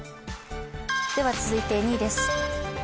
続いて２位です。